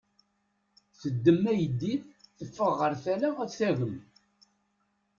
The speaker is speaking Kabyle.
Teddem ayeddid, teffeɣ ɣer tala ad d-tagem.